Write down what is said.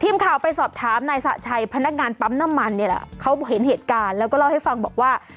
ทีมข่าวไปสอบถามนายสะชัยพนักงานปั๊มน้ำมันเนี่ยแหละเขาเห็นเหตุการณ์แล้วก็เล่าให้ฟังบอกว่า